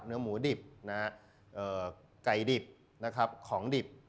เนื้อหมูดิบนะฮะไก่ดิบนะครับของดิบ